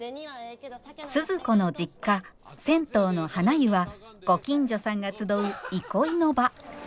鈴子の実家銭湯のはな湯はご近所さんが集う憩いの場。